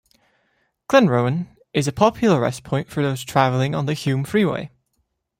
Glenrowan is a popular rest point for those travelling on the Hume Freeway.